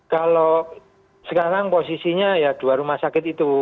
kalau sekarang posisinya ya dua rumah sakit itu